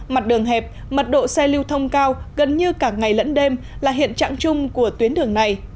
mặt đường hẹp mật độ xe lưu thông cao gần như cả ngày lẫn đêm là hiện trạng chung của tuyến đường này